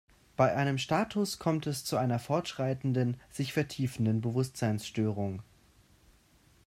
Bei einem Status kommt es zu einer fortschreitenden, sich vertiefenden Bewusstseinsstörung.